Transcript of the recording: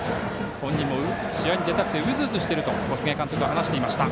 本人も試合に出たくてうずうずしていると小菅監督話していました。